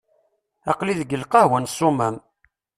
Aql-i deg lqahwa n Ṣumam.